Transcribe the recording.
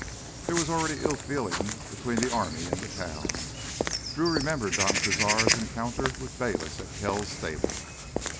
There was already ill feeling between the army and the town. Drew remembered Don Cazar's encounter with Bayliss at Kells' stable.